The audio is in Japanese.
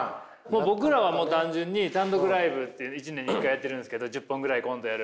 僕らはもう単純に単独ライブっていうの１年に１回やってるんですけど１０本ぐらいコントやる。